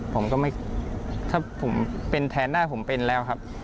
ผมก็ไม่ถ้าผมเป็นแทนได้ผมเป็นแล้วครับ